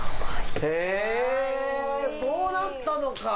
へー、そうなったのか。